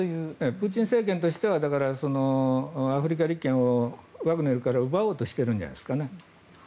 プーチン政権としてはアフリカ利権をワグネルから奪おうとしているんじゃないですかね。